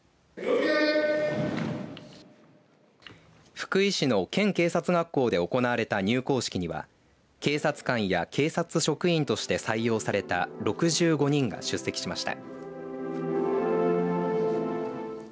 福井市の県警察学校で行われた入校式には警察官や警察職員として採用された６５人が出席しました。